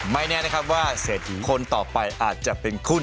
ไม่แน่นะครับว่าเศรษฐีคนต่อไปอาจจะเป็นคุณ